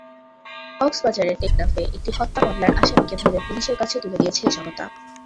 কক্সবাজারের টেকনাফে একটি হত্যা মামলার আসামিকে ধরে পুলিশের কাছে তুলে দিয়েছে জনতা।